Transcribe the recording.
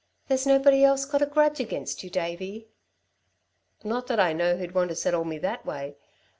"There's nobody else got a grudge against you, Davey?" "Not that I know who'd want to settle me that way.